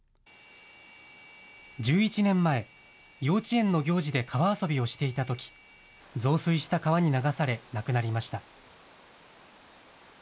１１年前、幼稚園の行事で川遊びをしていたとき、増水した川に流され亡くなりました。